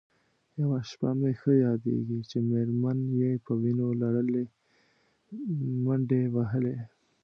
یوه شپه مې ښه یادېږي چې مېرمن یې په وینو لړلې منډې وهلې.